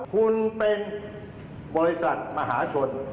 คุณเป็นบริษัทมหาชน